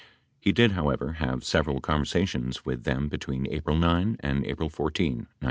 He did, however, have several conversations with them between April 9 and April 14, 1973.